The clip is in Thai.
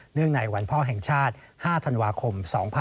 ในวันพ่อแห่งชาติ๕ธันวาคม๒๕๖๒